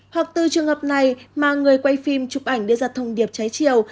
hoặc từ trường hợp này mà người quay phim chụp ảnh đưa ra thông điệp trái chiều